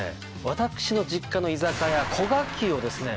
私の実家の居酒屋古賀久をですね